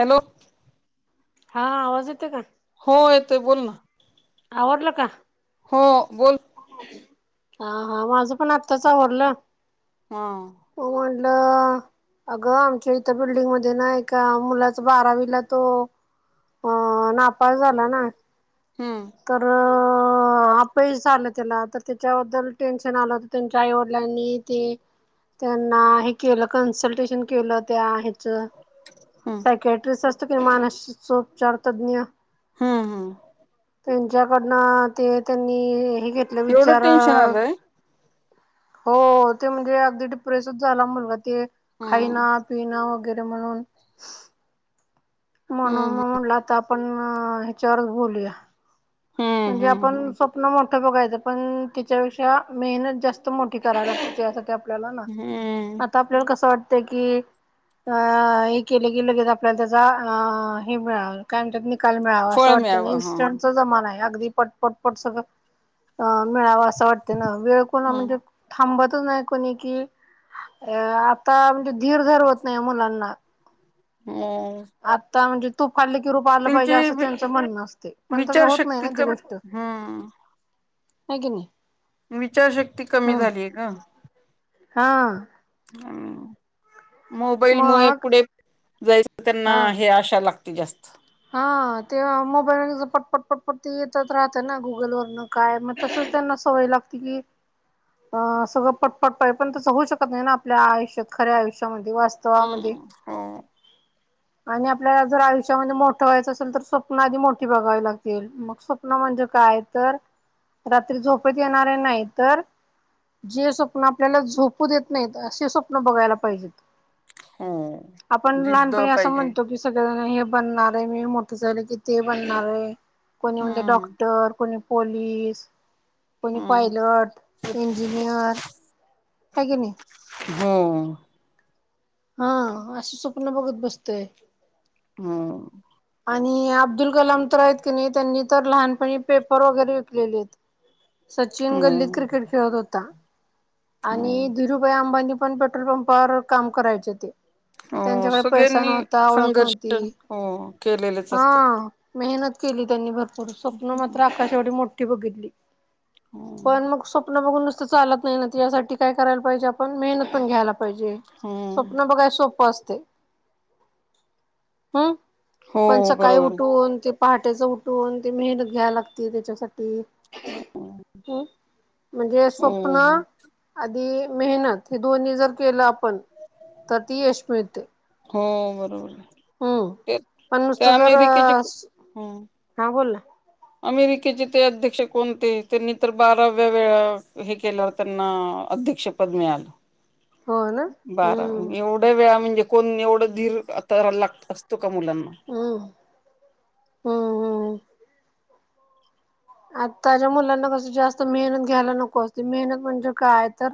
Hello, हा आवाज येतोय का? हो येत बोल ना आवरलं का हो बोल, हा हा माझं पण आत्ताच आवरल. हा अगं आमच्या इथ बिल्डिंग मध्ये नाही का मुलाचा बारावीला तो अ नापास झाला ना हम्म तर पैस झालं त्याला तर त्याच्याबद्दल टेन्शन आलं होत त्यांच्या आईवडिलांनी ते त्यांना हे केलं कन्सल्टेशन केलं त्या आहेच हम्म सायकेटरी असत कि मानसोपचार तज्ञ हा, हा त्यांच्याकडनं ते त्यांनी हे घेतलं एवढं विचार टेन्शन आलंय हो ते म्हणजे अगदी डिप्रेसच झाला मुलगा ते हम्म खायना पिना गर म्हणून म्हणून हम्म म म्हटलं आता आपण ह्याच्यावरच बोलूया हम्म म्हणजे हम्म आपण हम्म स्वप्न म्ह मोठ बघायचं पण तीच्यापेक्षा मेहनत जास्त मोठी करायला लागते त्यासाठी, आपल्याला ना हम्म आता आपल्याला कसं वाटतय कि, अ हे केलं की लगेच आपल्याला त्याचा अ हे मिळ काय म्हणत्यात निक काल मिळावा अस फळ वाटत मिळावं हा इन्स्टंट चा जमाना आहे अगदी पटपटपट सगळ मिळाव. जावं वाटते ना, वेळ कोणा हम्म म्हणजे थांबत नाही कोणी कि अ आता म्हणजे धीर धरवत नाही मुलांना हो आता म्हणजे, खाल्ली कि लं पाहिजे त्यांची असं वि त्यांच म्हणणं असते पण तसं होत नाही विचारशक्ती ना ती कमी गोष्ट ह क नाही विचा रशक्ती कमी हम्म झालीय का? हा. मोबाईल मुळे मग पुढे जायचं त्यांना हा हे आशा लागते. जास्त. हा ते मोबाईल पटपट पटपट ते येतच राहतं ना गुगल वरन काय मग तस त्यांना सवय लागते की अ सगळं पटपट प पण त होऊ शकत नाही ना आपल्या आयुष्यात खऱ्या आयुष्या मध्ये वास्तवामध्ये हम्म हो आणि आपल्याला जर आयुष्यामध्ये मोठ ठेवायचं असेल तर स्वप्न आधी मोठी बघावी लागतील. मग स्वप्न म्हणजे काय तर रात्री झोपेत येणारे नाही तर, जे स्वप्न आपल्याला झोपू देत नाहीत असे स्वप्न बघायला पाहिजेत. हो आपण जिद्द लहानपणी असं पाहिजे म्हणतो कि सगळ हे बनणार आहे मी मोठं झालं की ते बनणार आहे कोणी म्हणजे, हम्म डॉक्टर कोण पोलीस. कोणी हम्म पायलट, इंजिनियर हाय की नाही. हो. हा अशी स्वप्न बघत बसतोय. हम्म आणि अब्दुल कलाम तर आहेत की नाही त्यांनी तर लहानपणी पेपर वगैरे विकलेले आहेत. सचिन गल्लीत हम्म क्रिकेट खेळत होता. आणि हम्म धीरुबाई अंबानी पण पेट्रोल पंपावर काम करायचे ते हो त्यांच्याकडे पैसा सगळ्यांनी नव्हता ओळख संघर्ष नव्हती हो केलेलेच हा असतात. मेहनत केली त्यांनी भरपूर स्वप्न मात्र हम्म आकाशा एवढी मोठी बघितली‌. पण मग स्वप्न बघून नुसतं चालत नाही ना यासाठी काय करायला पाहिजे आपण मेहनत पण घ्यायला पाहिजे हम्म स्वप्न बघाय सोपं असतय. हम् पण हो सकाळी बरोबर आहे. उठून ते पहाटेचं उठून ते मेहनत घ्यावी लागते त्याच्यासाठी. ह म्हणजे हो स्वप्न आदी- मेहनत हे दोन्ही जर केलं आपण तर ती यश मिळते. हो बरोबर, हम्म ते पण ते नुसतं जर अमेरिकेचे हम्म हा बोल ना अमेरिकेचे ते अध्यक्ष कोणते त्यांनी तर बाराव्या वेळा हे केल्या त्यांना अध्यक्षपद मिळालं. हो ना बारा हम्म एवढ्या वेळा म्हणजे कोण एवढं धीर आता ला लागत असतो. मुलांना. हम्म हम्म हम्म आताच्या मुलांना कस जास्त मेहनत घ्यायला नको असते मेहनत म्हणजे काय तर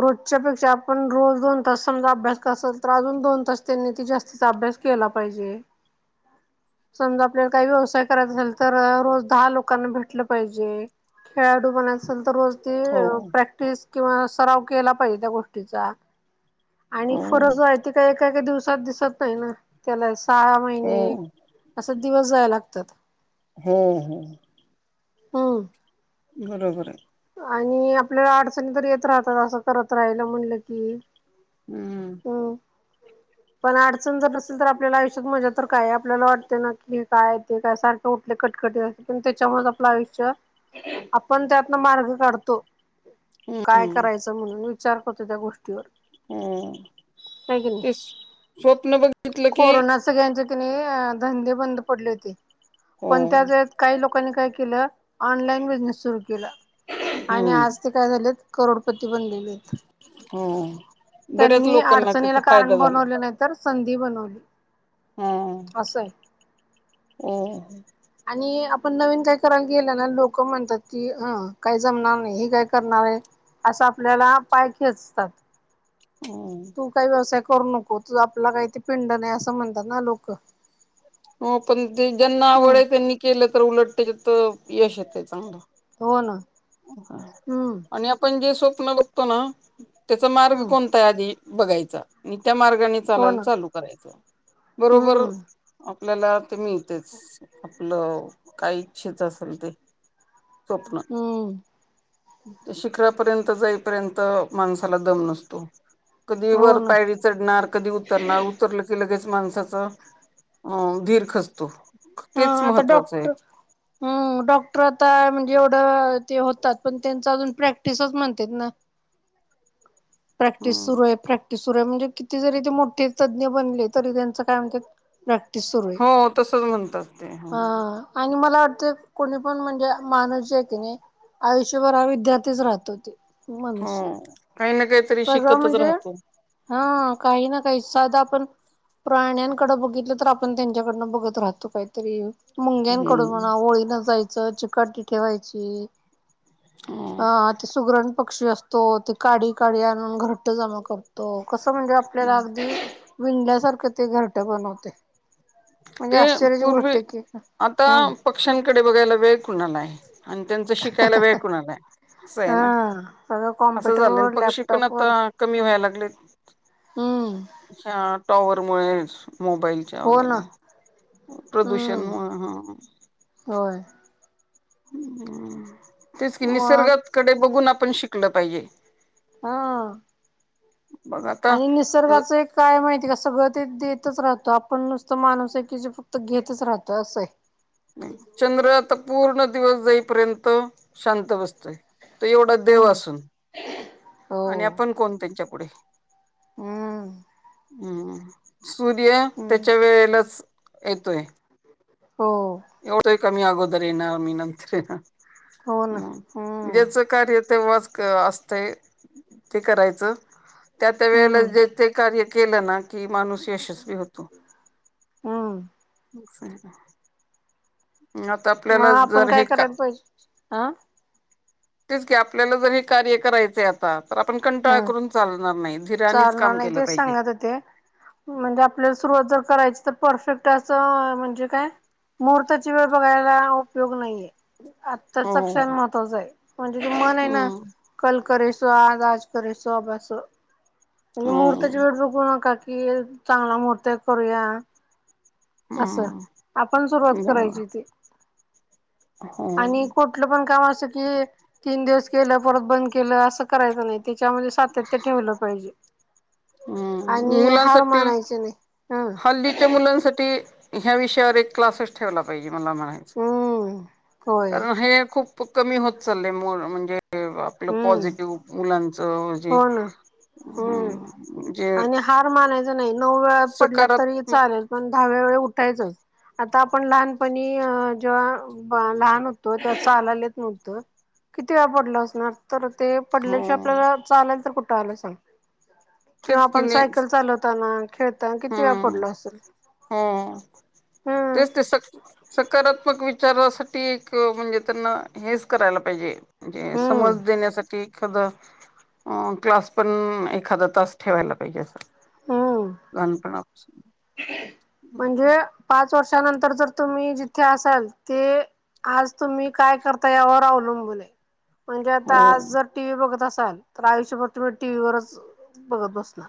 रोजच्या पेक्षा आपण रोज दोन तास समजा अभ्यास करत असल तर अजून दोन तास त्यांनी त जास्तीत अभ्यास केला पाहिजे. समजा आपल्याला काही व्यवसाय करायचा असेल तर रोज दहा लोकांना भेटलं पाहिजे. खेळाडू पण असेल तर रोज ते हो प्रॅक्टिस किंवा सराव केला पाहिजे त्या गोष्टीचा. आणि हो फरक जो आहे त का एकाका दिवसात दिसत नाही ना त्याला सहा हो महिने असं दिवस जायाय लागतात. हम ह. हम. बरोबर आहे. आणि आपल्याला अडचणी तर येत राहतात असं करत राहाला म्हणलं की हम्म हो. पण अडचण जर असेल तर आपल्याला आयुष्यात मजा तर काय आपल्याला वाटते ना की काय येत काय सारखं उठले कट- कट पण त्याच्यामुळे आपलं आयुष्य आपण त्यातन मार्ग काढतो. काय हम्म करायचं म्हणून विचार करतो त्या गोष्टीवर. हम काय की नाही ते स्वप्नन बघितलं की कोरोना सगळ्यांचे की नी अ धंदे बंद पडले होते हो पण त्या व काही लोकांनी काय ऑनलाइन बिनेस सुरू के आणि हम्म आज ते काय झाले करोडपती बनली होम त्यांनी अडचणीला कारण झाला. बनवलं नाही तर संधी बनवली हा असं आहे हो आणि आपण नवीन काय करा गेल्या लोक म्हणतात की अ काय जमणार नाही हे काय करणार आहे असं आपल्याला पाय खेचतात हो तू काही व्यवसाय करू नको तू आपला काही ते पिंड नाही असं म्हणतात ना लोक हो पण ते ज्यांना आवड हम्म आहे त्यांनी केलं तर उलट त्याच्या तर यश येतय चांगलं हो ना हम्म आणि आपण जे स्वप्नन बघतो ना त्याचा मार्ग हम्म कोणता आधी बघायचा आणि त्या मार्गाने हो चालायला ना चालू करायच बरोबर हम्म आपल्याला ते मिळतेच आपलं काय इच्छच असेल ते स्वप्न हम्म शिखरापर्यंत जाईपर्यंत माणसाला दम नसतो कधी हो वर ना पायरी चढणार कधी उतरणार उतरलं की लगेच माणसाचा अ धीर खचतो हा तेच आता महत्त्वाचं आहे डॉक्टर हम डॉक्टर आता म्हणजे एवढ ते होतात पण त्यांचा अजून प्रॅक्टिसच म्हणतात ना प्रॅक्टिस सुरू आहे प्रॅक्टिस बरय म्हणजे किती जरी ते मोठे तज्ज्ञ बनले तरी त्यांच काय म्हणतेत ते सुरू आहे हो तसच म्हणतात ते हो ह आणि मला ते कोणी पण म्हणजे माणूस जे की नाही आयुष्यभर विद्यार्थीच राहत होते हो मनुष्य काही ना काहीतरी सगळं शिकतच म्हणजे राहतो हा काही ना काही साध आपण प्राण्यांकड बघितलं तर आपण त्यांच्याकडनं बघत राहतो काहीतरी मुंग्यांकडून हम्म म्हणा ओळीन जायचं चिकटी ठेवायची अ ते सुग्रण पक्षी असतो ते काढी काढी आणून घरट्ट जमा करतो हो कसं म्हणजे आपल्याला अगदी विंनलयासारखे ते घरट बनवते म्हणजे ते आश्चर्याची गोष्ट पूर्वी आहे की आता हम्म पक्ष्यांकडे बघायला वेळ कोुणाला आहे आणि त्यांचा शिकायला वेळ कोुणाला आहे अस आहे ना हा सगळं असं झालं कॉम्प्युटरवर पक्षी पण लॅपटॉपवर आता कमी व्हायला लागले हम्म ह टॉवर मुळे मोबाईलच्या हो ना वगैरे प्रदूषण हम्म मुळे ह होय ह अ तेच कि मग निसर्गाकडे बघून आपण शिकल पाहिजे हा बघ आता आणि निसर्गाचं एक काय माहिती का सगळं ते देतच राहत आपण नुसतं माणूस आहे की जे फक्त घेतच राहत असं आहे नाही चंद्र आता पूर्ण दिवस जाईपर्यंत शांत बसतोय तो एवढा देव हम्म असून आणि हो आपण कोण त्यांच्या पुढे हम्म हम् सूर्य हम्म त्याच्या वेळेलाच येतोय हो कमी अगोदर येणार मी नंतर येणार हो ना ह हम्म ज्याचं कार्य तेव्हा असतय ते करायच त्या त्या वेळे हम्म जे कार्य केल ना कि माणूस यशस्वी होतो हम्म आता आपल्याला मग आपण जर काय हे का करायला पाहिजे अ तेच की आपल्याला जर हे कार्य करायचे आता तर आपण कंटाळा ह करून चालणार नाही धिरानीच चालणार काम नाही केलं तेच पाहिजे सांगत होते म्हणजे आपल्याला सुरुवात जर करायची तर परफेक्ट असं म्हणजे काय मुहूर्ताची वेळ बघायला उपयोग नाहीये आत्ता हो चक्षण महत्वाच आहे म्हणजे तू मन आहे ना हम्म कलकरेसो आज आज ससो अभ्यास म्हणजे मुहूर्ताची हम्म वेट बघव नका. कि चांगला महर्त करूया असं हम्म आपण सुरुवात बरोबर करायची ते हो आणि कुठलं पण काम असे कि तीन दिवस केलं परत बंद केलं असं करायचं नाही. त्याच्यामध्ये सातत्य ठेवलं पाहिजे. हम् आणि हार मुलांसाठी मानायचे नाही हं हल्दीच्या मुलांसाठी ह्या विषयावर एक क्लासच ठेवला पाहिजे मला म्हणायचं हम्म होय कारण हे खूप कमी होत चाललेय म्हणजे ते आपलं हम्म पॉझिटिव्ह मुलांचं जे हो ना हम्म आणि हार मानायचं नाही नऊ वेळा पडला तरी सकारात्मक चालेल पण दहाव्या वेळे उठ आ आप लह मी जेव्हा लहान होतो ते्हा चाललेत नव्हतं. किती वेळा पडला असणार तर ते हो पडल्याशि आपल्याला चालेल तर कुठं आलं सांग किंवा तेच की आपण नाही सायकल चालवताना खेळताना किती वेळा हम्म पडल असेल. हो हम्म तेच ते स सकार. विचारासाठी एक म्हणजे त्यांना हेच करायला पाहिजे. म्हणजे हम्म समज देण्यासाठी एखाद अ क्लास पण एखाद त असत. ठेवायला पाहिजे असं हम्म लहानपणा. म्हणजे पाच वर्षानंतर जर तुम्ही जिथे असाल ते. आज तुम्ही काय करता यावर अवलंबून आहे म्हणजे आता हो आज जर टीव्ही बघत अस चाल तर आयुष्यभर तुम्ही टी व्ही वरच बघत बसणार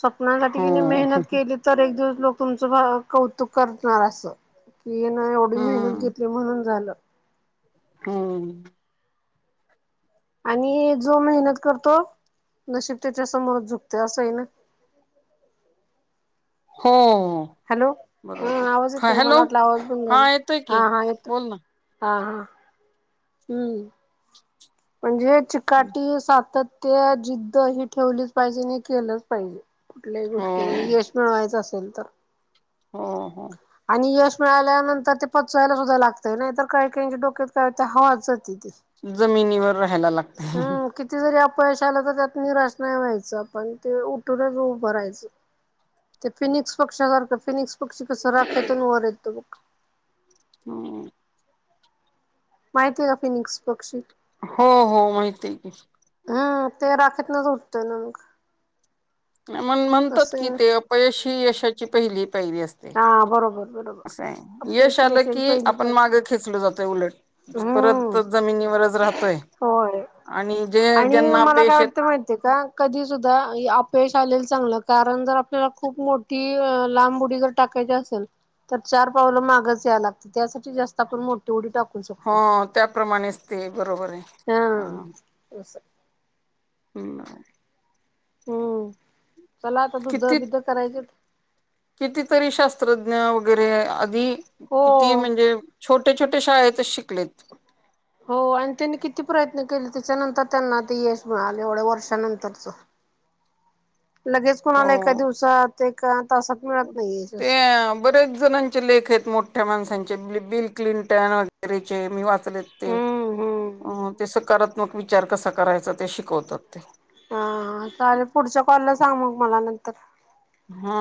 स्वप्नासाठी हो त्यांने मेहनत केली तर एक दिवस. लोक तुमचं कौतुक करणार असं की ना एवढी मेहनत हम्म घेतली म्हणून झालं. हम्म. आणि जो मेहनत करतो नशीब त्याच्या समोरच झुकते असंही ना. [inaudible] हा. हॅलो हा बरोबर आवाज येत नाही का मला हॅलो वाटला आवाज बन हा जाा येतोय की हा हा येतो. बोल ना हा हा. हम्म. म्हणजे चिकाटी सातत्य त्या जिद्द ही ठेवलीच पाहिजे आणि केलंच पाहिजे कुठल्याही हो गोष्टी यश मिळवायचं अस. चल तर हा हा आणि यश मिळाल्यानंतर ते पचवायला सुद्धा लागतय नाही तर काही काही डोकत काय हवा जात जमिनीवर राहायला लागत. पैशाला तर त्यात निराश नाही व्हायचा पण ते उठूनच उभं राहायचं. ते फिनिक्स पक्ष सारखं फिनिक्स पक्षी कस राखतून वरेत त ब. माहिती आहे का फिनिक्स पक्षी हो हो माहिती आहे की. हम् ते राखेत नच उठत ना मग म म्हणतात तसं आहे कि ना ते अपयश ह यशाची पहिली ैरी असते हा बरोबर बरोबर अस यश अपयशी आलं यशाची की पहिली आपण पाय माग खेचल जातंय उलट परत हम्म जमिनीवरच राहतोय. होय आणि जे आणि ज्यांना मला काय अपयश येत वाटतं माहितीय का कधी सुद्धा अपयश चालेल चांगलं कारण जर आपल्याला खूप मोठी. टाकायची असेल तर चार पावलं मागच या लागतं त्यासाठी जास्त आपण मोठी उडी टा हो चुकतोय त्याप्रमाणेच ते बरोबर आहे हा असं. हम हम किती कितीतरी शास्त्रज्ञ.. वगैरे आधी किती हो म्हणजे छोटे छोटे शाळेतच शिकलेत... हो आणि त्यांनी किती प्रयत्न केले त्याच्यानंतर त्यांना आता यश मिळाले एवढ्या वर्षानंतरचं... [unintelligible] लगेच हो कोणाला एका दिवसात एका तासात मिळत नाही ते असलं... बरेच जणांचे लेख आहेत मोठ्या माणसांचे बिल क्लिंटन वगैरेचे मी वा... हम्म अ हम्म. ते सकारात्मक विचार कसा करायचा ते शिकवतात ते... हा चालेल पुढच्या कॉलला सांग मग मला नंतर... हा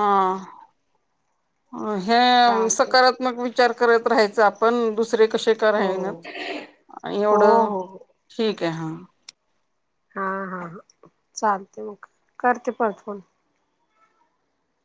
हे चालते. सकारात्मक वि.. उपचार करत राहायचं आपण दुसरे... कसे का हो राहिनात हो हो एवढं हो ठीक आहे हा... हा हा ह चालते मग करते परत फोन...